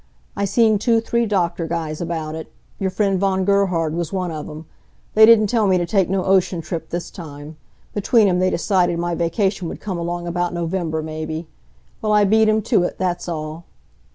I seen two three doctor guys about it. Your friend Von Gerhard was one of 'em. They didn't tell me t' take no ocean trip this time. Between 'em, they decided my vacation would come along about November, maybe. Well, I beat 'em to it, that's all.